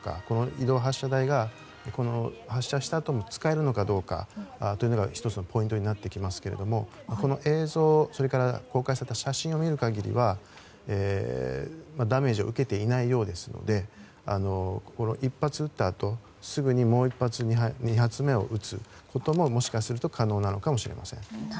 この移動発射台が発射したあとに使えるのかどうかというのが１つのポイントになってきますけれどもこの映像、そして公開された写真を見る限りはダメージを受けていないようですので１発撃ったあとすぐにもう１発、２発目を撃つことももしかすると可能なのかもしれません。